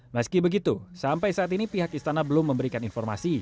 meski begitu sampai saat ini pihak istana belum memberikan informasi